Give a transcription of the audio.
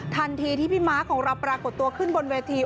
ทันทีที่พี่ม้าของเราปรากฏตัวขึ้นบนเวที